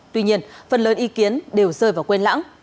tuy nhiên phần lớn ý kiến đều rơi vào quên lãng